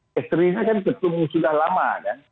dan es keringnya kan ketemu sudah lama